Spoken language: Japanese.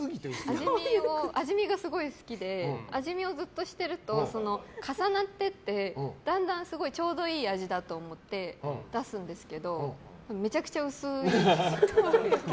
味見がすごい好きで味見をずっとしていると重なっていって、だんだんちょうどいい味だと思って出すんですけどめちゃくちゃ薄いんです。